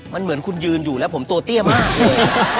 มันเหมือนคุณยืนอยู่แล้วผมตัวเตี้ยมากเลย